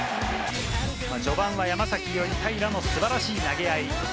序盤は山崎伊織、平良の素晴らしい投げ合い。